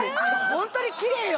ホントにキレイよ